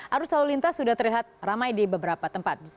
arus alulinta sudah terlihat ramai di beberapa tempat